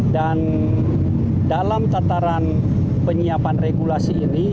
dan dalam tataran penyiapan regulasi ini